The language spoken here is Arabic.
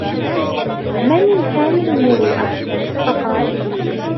مَنْ الْكَامِلُ الْمُرُوءَةِ ؟ فَقَالَ